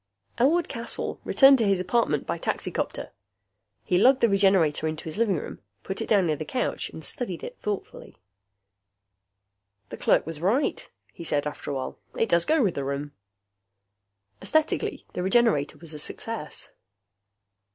Elwood Caswell returned to his apartment by taxicopter. He lugged the Regenerator into his living room, put it down near the couch and studied it thoughtfully. "That clerk was right," he said after a while. "It does go with the room." Esthetically, the Regenerator was a success.